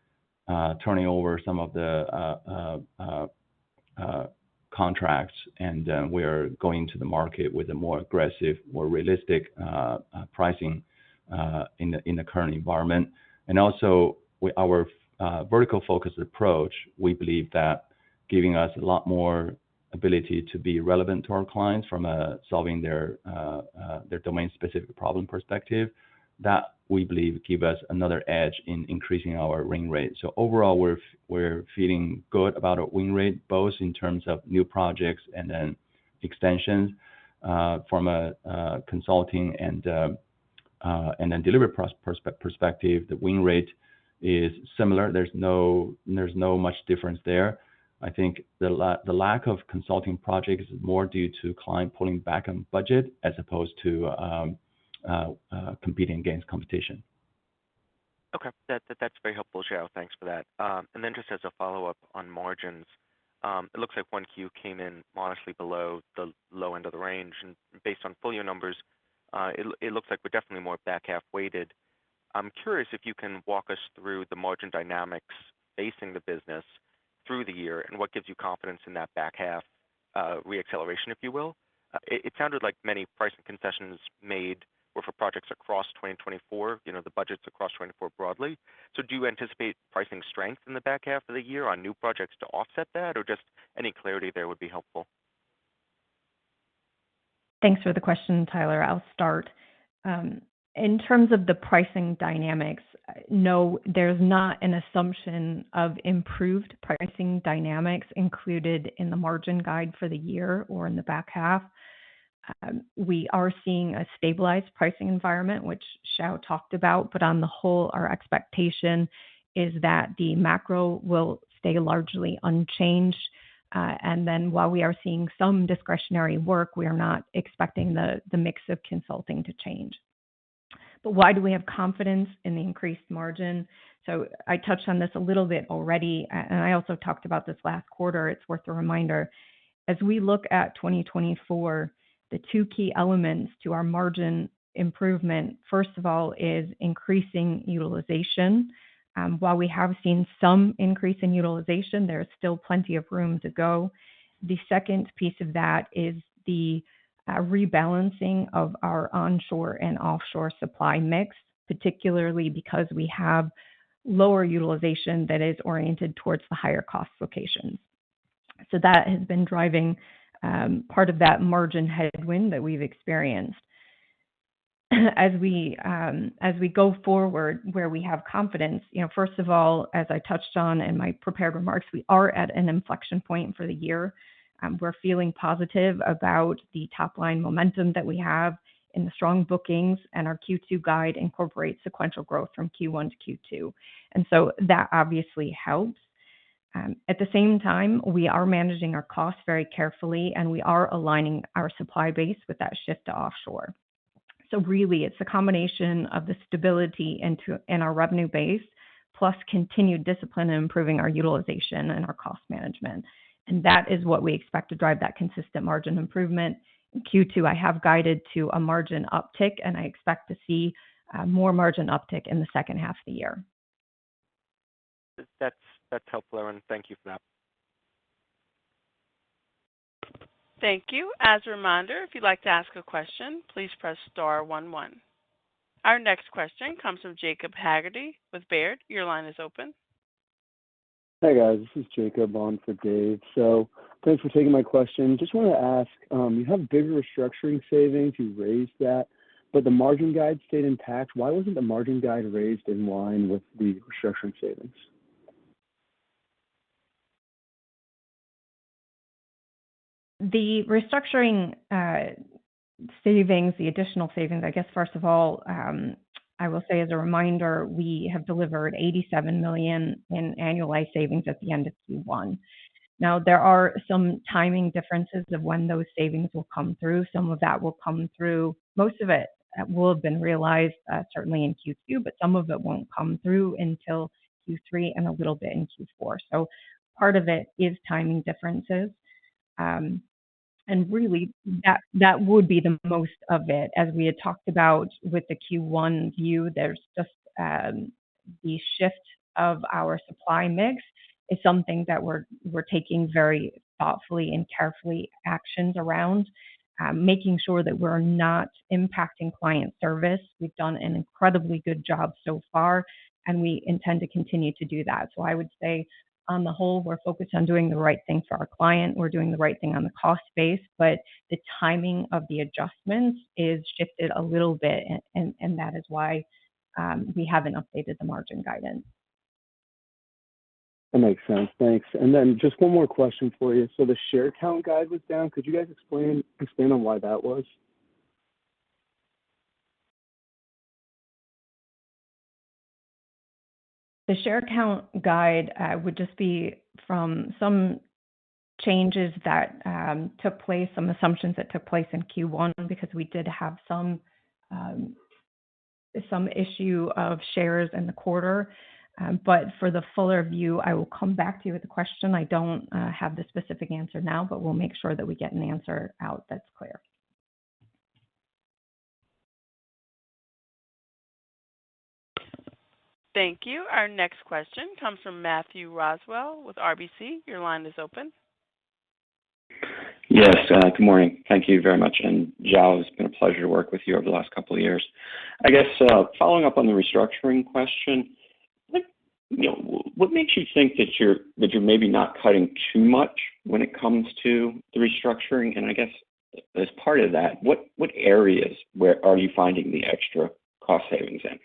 turning over some of the contracts, and we are going to the market with a more aggressive, more realistic pricing in the current environment. And also, with our vertical-focused approach, we believe that giving us a lot more ability to be relevant to our clients from solving their domain-specific problem perspective, that we believe gives us another edge in increasing our win rate. So overall, we're feeling good about our win rate, both in terms of new projects and then extensions. From a consulting and then delivery perspective, the win rate is similar. There's not much difference there. I think the lack of consulting projects is more due to client pulling back on budget as opposed to competing against competition. Okay. That's very helpful, Xiao. Thanks for that. And then just as a follow-up on margins, it looks like 1Q came in modestly below the low end of the range. And based on full-year numbers, it looks like we're definitely more back-half weighted. I'm curious if you can walk us through the margin dynamics facing the business through the year and what gives you confidence in that back-half reacceleration, if you will. It sounded like many pricing concessions made were for projects across 2024, the budgets across 2024 broadly. So do you anticipate pricing strength in the back-half of the year on new projects to offset that, or just any clarity there would be helpful? Thanks for the question, Tyler. I'll start. In terms of the pricing dynamics, no, there's not an assumption of improved pricing dynamics included in the margin guide for the year or in the back-half. We are seeing a stabilized pricing environment, which Xiao talked about. But on the whole, our expectation is that the macro will stay largely unchanged. And then while we are seeing some discretionary work, we are not expecting the mix of consulting to change. But why do we have confidence in the increased margin? So I touched on this a little bit already, and I also talked about this last quarter. It's worth a reminder. As we look at 2024, the two key elements to our margin improvement, first of all, is increasing utilization. While we have seen some increase in utilization, there's still plenty of room to go. The second piece of that is the rebalancing of our onshore and offshore supply mix, particularly because we have lower utilization that is oriented towards the higher-cost locations. So that has been driving part of that margin headwind that we've experienced. As we go forward where we have confidence, first of all, as I touched on in my prepared remarks, we are at an inflection point for the year. We're feeling positive about the top-line momentum that we have in the strong bookings, and our Q2 guide incorporates sequential growth from Q1 to Q2. And so that obviously helps. At the same time, we are managing our costs very carefully, and we are aligning our supply base with that shift to offshore. So really, it's the combination of the stability in our revenue base plus continued discipline in improving our utilization and our cost management. That is what we expect to drive that consistent margin improvement. In Q2, I have guided to a margin uptick, and I expect to see more margin uptick in the second half of the year. That's helpful, Erin. Thank you for that. Thank you. As a reminder, if you'd like to ask a question, please press star one one. Our next question comes from Jacob Haggerty with Baird. Your line is open. Hey, guys. This is Jacob on for Dave. So thanks for taking my question. Just wanted to ask, you have bigger restructuring savings. You raised that, but the margin guide stayed intact. Why wasn't the margin guide raised in line with the restructuring savings? The restructuring savings, the additional savings, I guess, first of all, I will say as a reminder, we have delivered $87 million in annualized savings at the end of Q1. Now, there are some timing differences of when those savings will come through. Some of that will come through. Most of it will have been realized, certainly, in Q2, but some of it won't come through until Q3 and a little bit in Q4. So part of it is timing differences. Really, that would be the most of it. As we had talked about with the Q1 view, the shift of our supply mix is something that we're taking very thoughtfully and carefully actions around, making sure that we're not impacting client service. We've done an incredibly good job so far, and we intend to continue to do that. I would say, on the whole, we're focused on doing the right thing for our client. We're doing the right thing on the cost base, but the timing of the adjustments is shifted a little bit, and that is why we haven't updated the margin guidance. That makes sense. Thanks. And then just one more question for you. So the share count guide was down. Could you guys explain on why that was? The share count guide would just be from some changes that took place, some assumptions that took place in Q1 because we did have some issue of shares in the quarter. But for the fuller view, I will come back to you with the question. I don't have the specific answer now, but we'll make sure that we get an answer out that's clear. Thank you. Our next question comes from Matthew Roswell with RBC. Your line is open. Yes. Good morning. Thank you very much. Xiao, it's been a pleasure to work with you over the last couple of years. I guess following up on the restructuring question, what makes you think that you're maybe not cutting too much when it comes to the restructuring? I guess as part of that, what areas are you finding the extra cost savings in?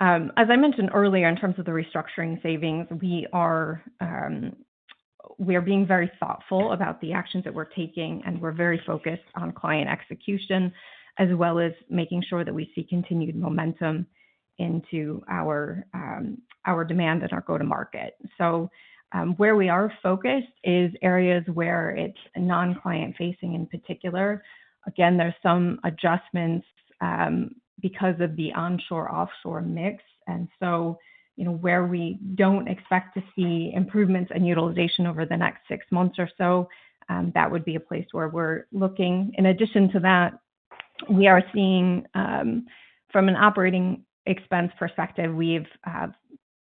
As I mentioned earlier, in terms of the restructuring savings, we are being very thoughtful about the actions that we're taking, and we're very focused on client execution as well as making sure that we see continued momentum into our demand and our go-to-market. So where we are focused is areas where it's non-client-facing in particular. Again, there's some adjustments because of the onshore/offshore mix. And so where we don't expect to see improvements in utilization over the next six months or so, that would be a place where we're looking. In addition to that, we are seeing, from an operating expense perspective, we've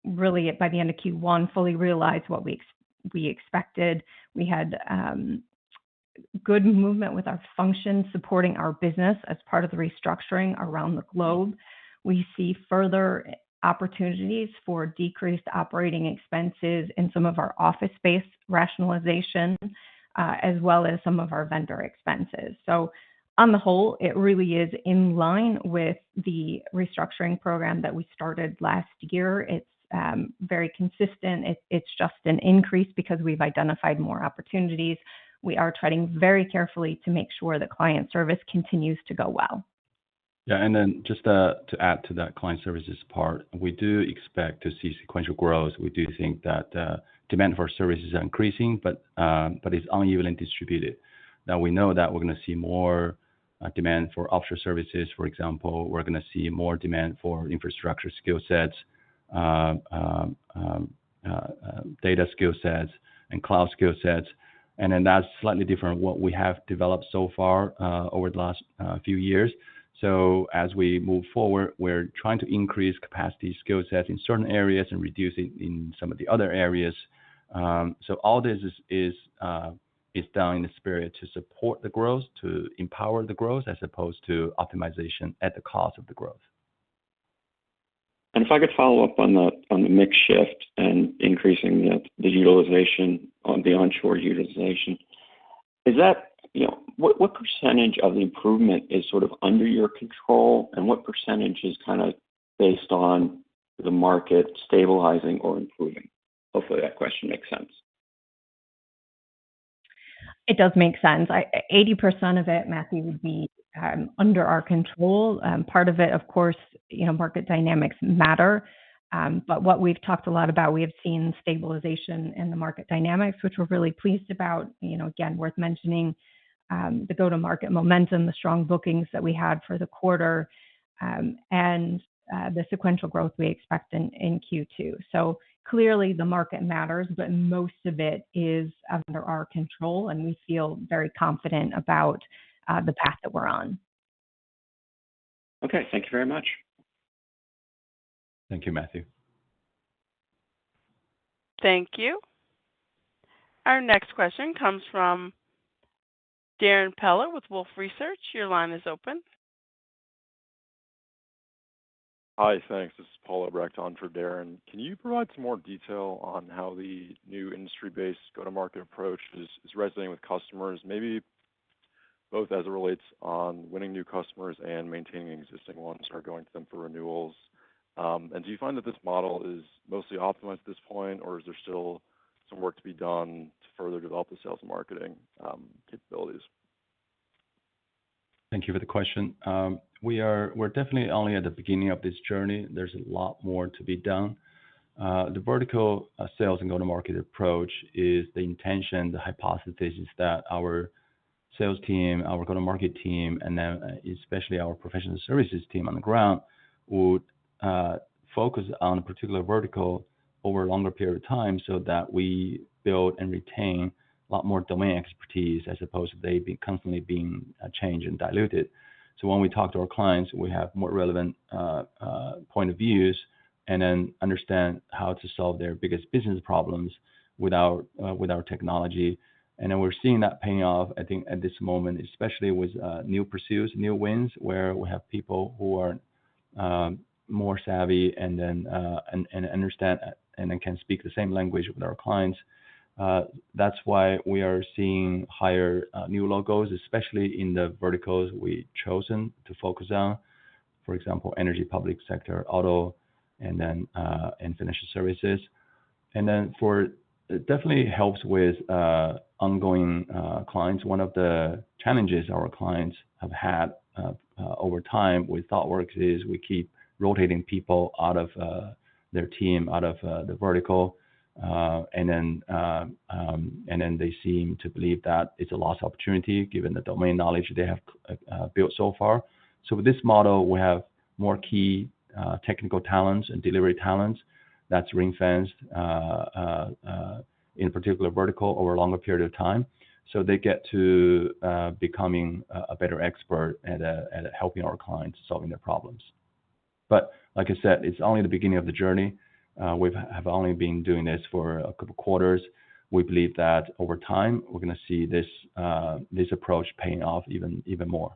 really, by the end of Q1, fully realized what we expected. We had good movement with our function supporting our business as part of the restructuring around the globe. We see further opportunities for decreased operating expenses in some of our office space rationalization as well as some of our vendor expenses. So on the whole, it really is in line with the restructuring program that we started last year. It's very consistent. It's just an increase because we've identified more opportunities. We are treading very carefully to make sure that client service continues to go well. Yeah. Then just to add to that client services part, we do expect to see sequential growth. We do think that demand for services is increasing, but it's unevenly distributed. Now, we know that we're going to see more demand for offshore services. For example, we're going to see more demand for infrastructure skill sets, data skill sets, and cloud skill sets. Then that's slightly different from what we have developed so far over the last few years. As we move forward, we're trying to increase capacity skill sets in certain areas and reduce it in some of the other areas. All this is done in the spirit to support the growth, to empower the growth, as opposed to optimization at the cost of the growth. If I could follow up on the mix shift and increasing the utilization, the onshore utilization, what percentage of the improvement is sort of under your control, and what percentage is kind of based on the market stabilizing or improving? Hopefully, that question makes sense. It does make sense. 80% of it, Matthew, would be under our control. Part of it, of course, market dynamics matter. But what we've talked a lot about, we have seen stabilization in the market dynamics, which we're really pleased about. Again, worth mentioning the go-to-market momentum, the strong bookings that we had for the quarter, and the sequential growth we expect in Q2. So clearly, the market matters, but most of it is under our control, and we feel very confident about the path that we're on. Okay. Thank you very much. Thank you, Matthew. Thank you. Our next question comes from Darren Peller with Wolfe Research. Your line is open. Hi. Thanks. This is Paul Obrecht on for Darren. Can you provide some more detail on how the new industry-based go-to-market approach is resonating with customers, maybe both as it relates to winning new customers and maintaining existing ones who are going to them for renewals? And do you find that this model is mostly optimized at this point, or is there still some work to be done to further develop the sales and marketing capabilities? Thank you for the question. We're definitely only at the beginning of this journey. There's a lot more to be done. The vertical sales and go-to-market approach is the intention. The hypothesis is that our sales team, our go-to-market team, and then especially our professional services team on the ground would focus on a particular vertical over a longer period of time so that we build and retain a lot more domain expertise as opposed to they constantly being changed and diluted. So when we talk to our clients, we have more relevant point of views and then understand how to solve their biggest business problems with our technology. And then we're seeing that paying off, I think, at this moment, especially with new pursuits, new wins where we have people who are more savvy and then understand and then can speak the same language with our clients. That's why we are seeing higher new logos, especially in the verticals we've chosen to focus on, for example, energy, public sector, auto, and then financial services. And then for it definitely helps with ongoing clients. One of the challenges our clients have had over time with Thoughtworks is we keep rotating people out of their team, out of the vertical, and then they seem to believe that it's a lost opportunity given the domain knowledge they have built so far. So with this model, we have more key technical talents and delivery talents that's ring-fenced in a particular vertical over a longer period of time. So they get to becoming a better expert at helping our clients solving their problems. But like I said, it's only the beginning of the journey. We have only been doing this for a couple of quarters. We believe that over time, we're going to see this approach paying off even more.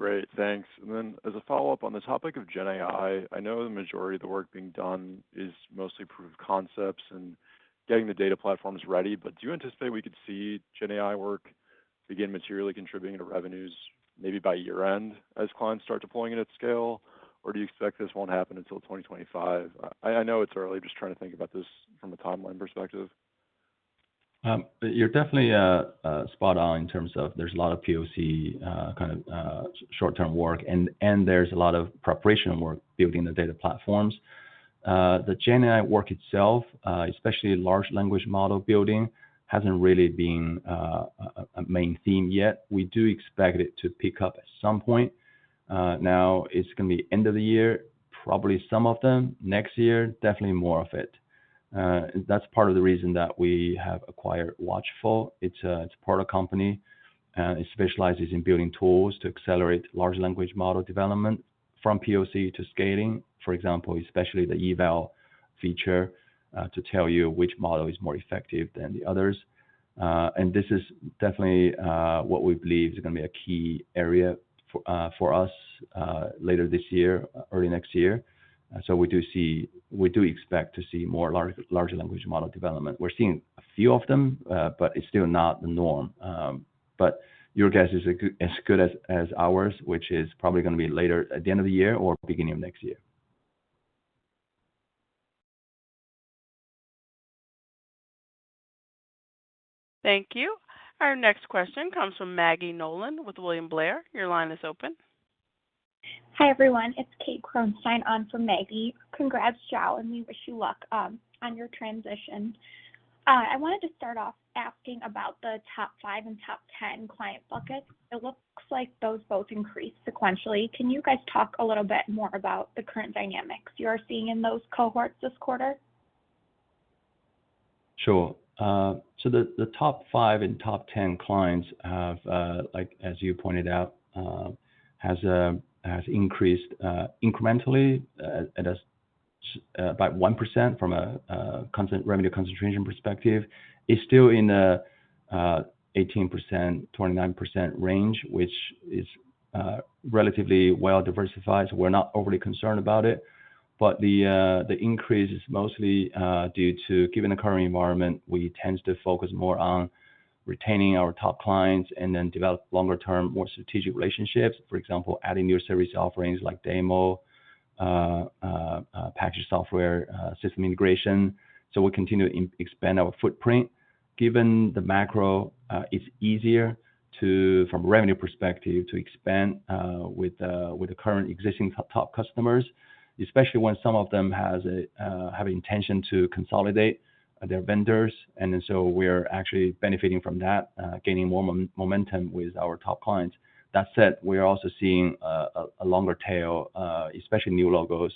Great. Thanks. And then as a follow-up on the topic of GenAI, I know the majority of the work being done is mostly proof of concepts and getting the data platforms ready. But do you anticipate we could see GenAI work begin materially contributing to revenues maybe by year-end as clients start deploying it at scale, or do you expect this won't happen until 2025? I know it's early. Just trying to think about this from a timeline perspective. You're definitely spot on in terms of there's a lot of POC kind of short-term work, and there's a lot of preparation work building the data platforms. The GenAI work itself, especially large language model building, hasn't really been a main theme yet. We do expect it to pick up at some point. Now, it's going to be end of the year, probably some of them. Next year, definitely more of it. That's part of the reason that we have acquired Watchful. It's part of a company. It specializes in building tools to accelerate large language model development from POC to scaling, for example, especially the eval feature to tell you which model is more effective than the others. And this is definitely what we believe is going to be a key area for us later this year, early next year. We do expect to see more large language model development. We're seeing a few of them, but it's still not the norm. Your guess is as good as ours, which is probably going to be later at the end of the year or beginning of next year. Thank you. Our next question comes from Maggie Nolan with William Blair. Your line is open. Hi, everyone. It's Kate Kronstein on for Maggie. Congrats, Xiao, and we wish you luck on your transition. I wanted to start off asking about the top five and top 10 client buckets. It looks like those both increased sequentially. Can you guys talk a little bit more about the current dynamics you are seeing in those cohorts this quarter? Sure. So the top five and top 10 clients, as you pointed out, have increased incrementally by 1% from a revenue concentration perspective. It's still in the 18%-29% range, which is relatively well diversified. So we're not overly concerned about it. But the increase is mostly due to, given the current environment, we tend to focus more on retaining our top clients and then develop longer-term, more strategic relationships, for example, adding new service offerings like DAMO, packaged software, system integration. So we continue to expand our footprint. Given the macro, it's easier from a revenue perspective to expand with the current existing top customers, especially when some of them have an intention to consolidate their vendors. And then so we're actually benefiting from that, gaining more momentum with our top clients. That said, we are also seeing a longer tail, especially new logos,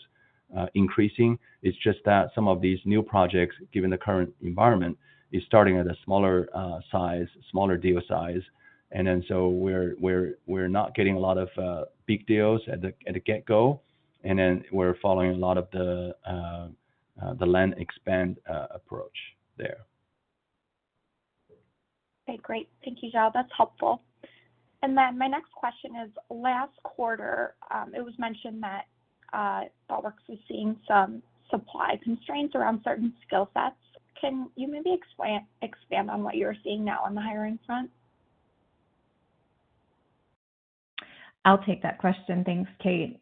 increasing. It's just that some of these new projects, given the current environment, are starting at a smaller size, smaller deal size. Then so we're not getting a lot of big deals at the get-go. Then we're following a lot of the land and expand approach there. Okay. Great. Thank you, Xiao. That's helpful. And then my next question is, last quarter, it was mentioned that Thoughtworks was seeing some supply constraints around certain skill sets. Can you maybe expand on what you are seeing now on the hiring front? I'll take that question. Thanks, Kate.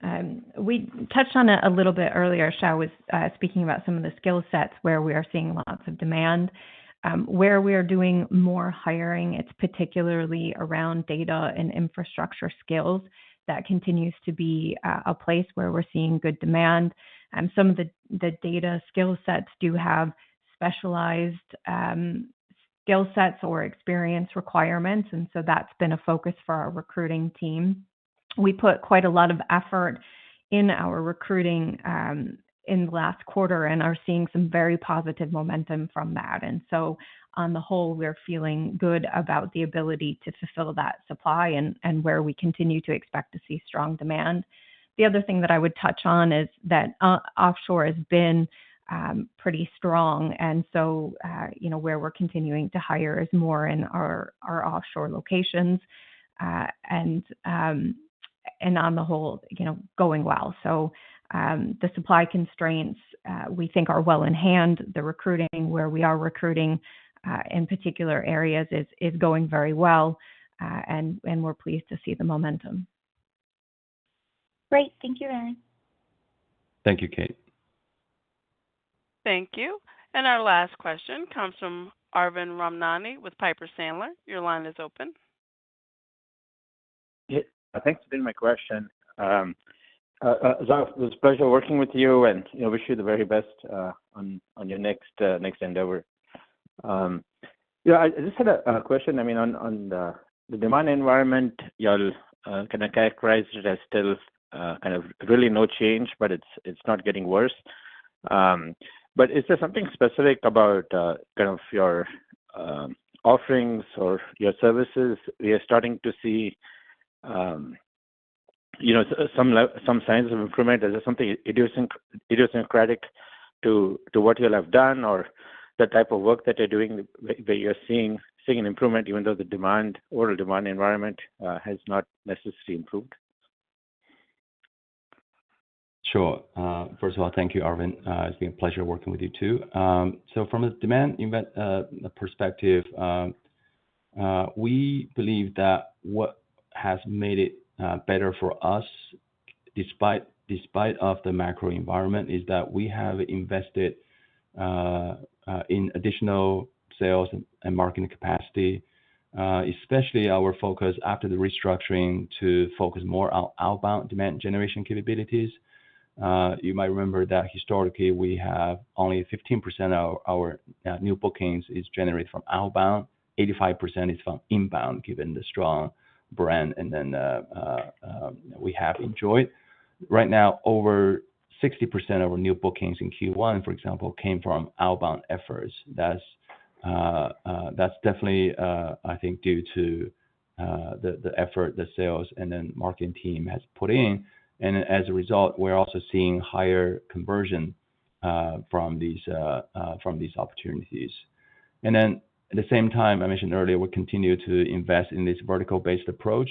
We touched on it a little bit earlier. Xiao was speaking about some of the skill sets where we are seeing lots of demand. Where we are doing more hiring, it's particularly around data and infrastructure skills. That continues to be a place where we're seeing good demand. Some of the data skill sets do have specialized skill sets or experience requirements. And so that's been a focus for our recruiting team. We put quite a lot of effort in our recruiting in the last quarter and are seeing some very positive momentum from that. And so on the whole, we're feeling good about the ability to fulfill that supply and where we continue to expect to see strong demand. The other thing that I would touch on is that offshore has been pretty strong. So where we're continuing to hire is more in our offshore locations. On the whole, going well. The supply constraints, we think, are well in hand. The recruiting, where we are recruiting in particular areas, is going very well. We're pleased to see the momentum. Great. Thank you, Erin. Thank you, Kate. Thank you. And our last question comes from Arvind Ramnani with Piper Sandler. Your line is open. Yeah. Thanks for doing my question. Xiao, it was a pleasure working with you, and I wish you the very best on your next handover. I just had a question. I mean, on the demand environment, y'all kind of characterize it as still kind of really no change, but it's not getting worse. But is there something specific about kind of your offerings or your services? We are starting to see some signs of improvement. Is there something idiosyncratic to what you all have done or the type of work that you're doing where you're seeing an improvement, even though the overall demand environment has not necessarily improved? Sure. First of all, thank you, Arvind. It's been a pleasure working with you too. So from a demand perspective, we believe that what has made it better for us despite the macro environment is that we have invested in additional sales and marketing capacity, especially our focus after the restructuring to focus more on outbound demand generation capabilities. You might remember that historically, we have only 15% of our new bookings generated from outbound. 85% is from inbound, given the strong brand and then we have enjoyed. Right now, over 60% of our new bookings in Q1, for example, came from outbound efforts. That's definitely, I think, due to the effort the sales and then marketing team has put in. And then as a result, we're also seeing higher conversion from these opportunities. And then at the same time, I mentioned earlier, we continue to invest in this vertical-based approach.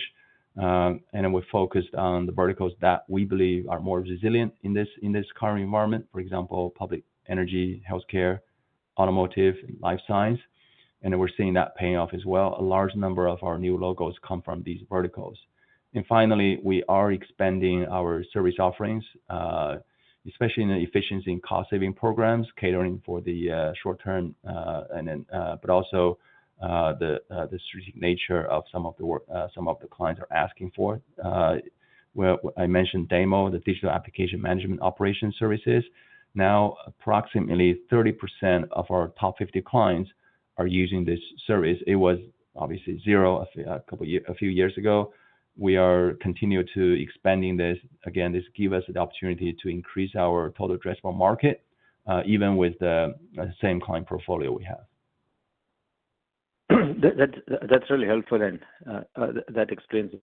And then we're focused on the verticals that we believe are more resilient in this current environment, for example, public, energy, healthcare, automotive, and life science. And then we're seeing that paying off as well. A large number of our new logos come from these verticals. And finally, we are expanding our service offerings, especially in the efficiency and cost-saving programs, catering for the short-term but also the strategic nature of some of the work some of the clients are asking for. I mentioned DAMO, the digital application management operations services. Now, approximately 30% of our top 50 clients are using this service. It was obviously zero a couple of years ago. We are continuing to expand this. Again, this gives us the opportunity to increase our total addressable market, even with the same client portfolio we have. That's really helpful, and that explains it.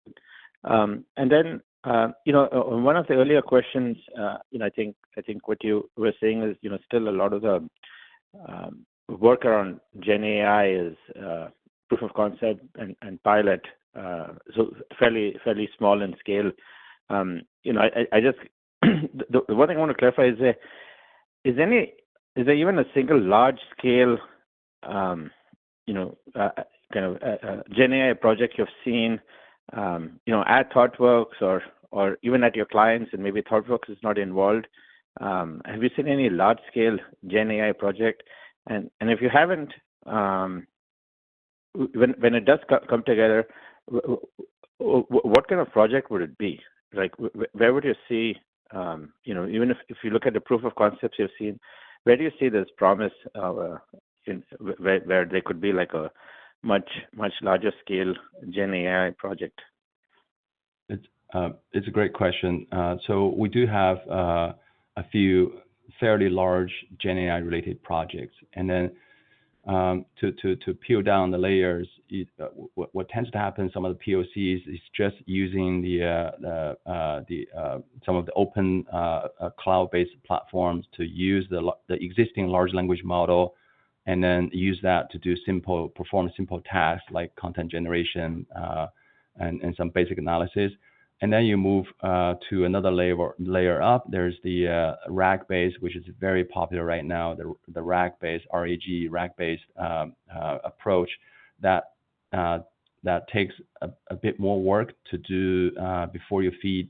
Then one of the earlier questions, I think what you were saying is still a lot of the work around GenAI is proof of concept and pilot, so fairly small in scale. I just the one thing I want to clarify is, is there even a single large-scale kind of GenAI project you've seen at Thoughtworks or even at your clients and maybe Thoughtworks is not involved? Have you seen any large-scale GenAI project? And if you haven't, when it does come together, what kind of project would it be? Where would you see even if you look at the proof of concepts you've seen, where do you see this promise where there could be a much, much larger-scale GenAI project? It's a great question. So we do have a few fairly large GenAI-related projects. And then to peel down the layers, what tends to happen, some of the POCs is just using some of the open cloud-based platforms to use the existing large language model and then use that to perform simple tasks like content generation and some basic analysis. And then you move to another layer up. There's the RAG-based, which is very popular right now, the RAG-based, RAG-based approach that takes a bit more work to do before you feed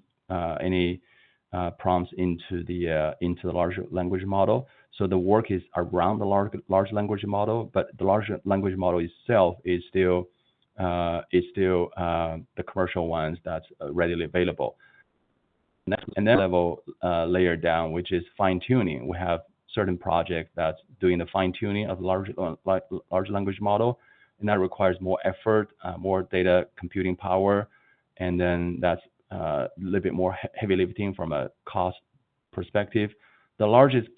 any prompts into the large language model. So the work is around the large language model, but the large language model itself is still the commercial ones that's readily available. And then lower layer down, which is fine-tuning. We have certain projects that's doing the fine-tuning of the large language model. And that requires more effort, more data computing power. And then that's a little bit more heavy lifting from a cost perspective. The largest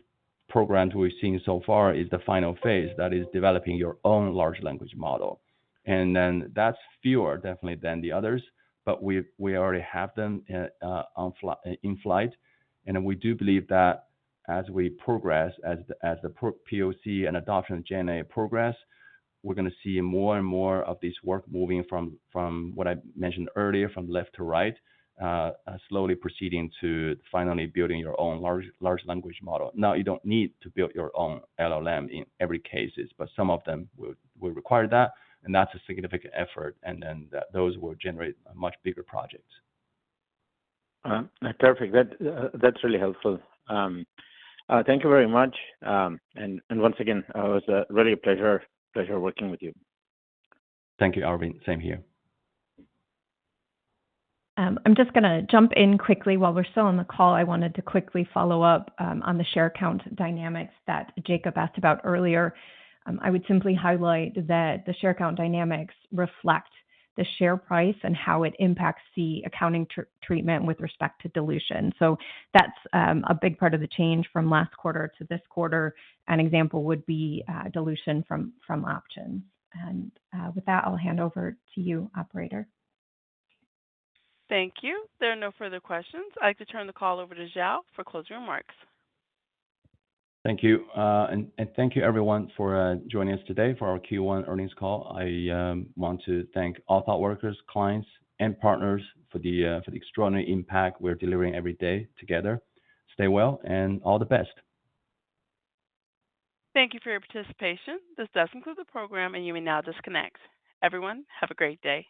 program we've seen so far is the final phase. That is developing your own large language model. And then that's fewer, definitely, than the others. But we already have them in flight. And then we do believe that as we progress, as the POC and adoption of GenAI progress, we're going to see more and more of this work moving from what I mentioned earlier, from left to right, slowly proceeding to finally building your own large language model. Now, you don't need to build your own LLM in every cases, but some of them will require that. And that's a significant effort. And then those will generate much bigger projects. Perfect. That's really helpful. Thank you very much. Once again, it was really a pleasure working with you. Thank you, Arvind. Same here. I'm just going to jump in quickly. While we're still on the call, I wanted to quickly follow up on the share count dynamics that Jacob asked about earlier. I would simply highlight that the share count dynamics reflect the share price and how it impacts the accounting treatment with respect to dilution. So that's a big part of the change from last quarter to this quarter. An example would be dilution from options. And with that, I'll hand over to you, operator. Thank you. There are no further questions. I'd like to turn the call over to Xiao for closing remarks. Thank you. Thank you, everyone, for joining us today for our Q1 Earnings Call. I want to thank all Thoughtworkers, clients, and partners for the extraordinary impact we're delivering every day together. Stay well, and all the best. Thank you for your participation. This does conclude the program, and you may now disconnect. Everyone, have a great day.